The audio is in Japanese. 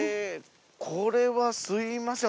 これはすいません